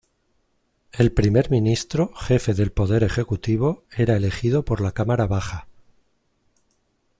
El Primer Ministro, jefe del poder ejecutivo, era elegido por la cámara baja.